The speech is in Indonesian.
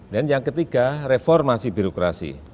dan yang ketiga reformasi birokrasi